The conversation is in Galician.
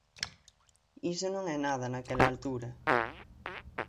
Iso non é nada naquela altura!